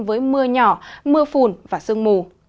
với mưa nhỏ mưa phùn và sương mù